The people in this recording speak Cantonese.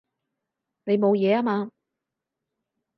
你冇嘢啊嘛？